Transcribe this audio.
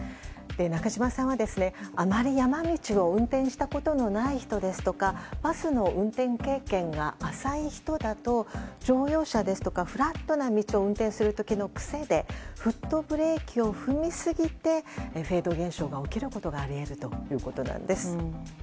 中島さんは、あまり山道を運転したことがない人ですとかバスの運転経験が浅い人だと乗用車ですとかフラットな道を運転する時の癖でフットブレーキを踏みすぎてフェード現象が起きることがあり得るということなんです。